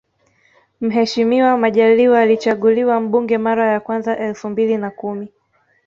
Mheshimiwa Majaliwa alichaguliwa mbunge mara ya kwanza elfu mbili na kumi